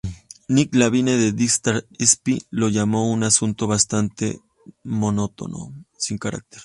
Nick Levine de "Digital Spy" lo llamó" un asunto bastante monótono, sin carácter".